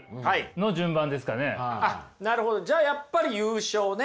なるほどじゃあやっぱり優勝ね。